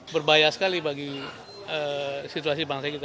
berbahaya sekali bagi situasi bangsa kita